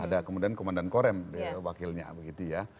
ada kemudian komandan korem wakilnya begitu ya